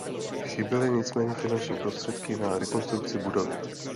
Chyběly nicméně finanční prostředky na rekonstrukci budovy.